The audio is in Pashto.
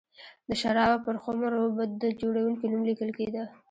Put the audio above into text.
د شرابو پر خُمر و به د جوړوونکي نوم لیکل کېده